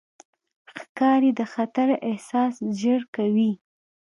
ښکاري د خطر احساس ژر کوي.